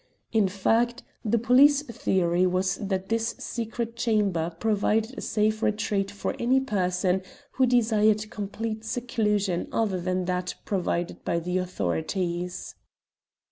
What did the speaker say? In fact, the police theory was that this secret chamber provided a safe retreat for any person who desired complete seclusion other than that provided by the authorities.